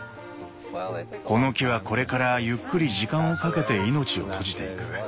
この木はこれからゆっくり時間をかけて命を閉じていく。